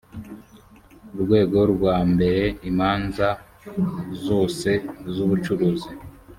rwego rwa mbere imanza zose z’ubucuruzi